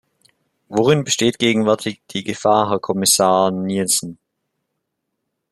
Worin besteht gegenwärtig die Gefahr, Herr Kommissar Nielson?